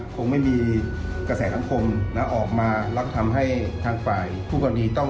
คงไม่มีกระแสทางคมแล้วออกมาแล้วก็ทำให้ทางฝ่ายผู้กรรดี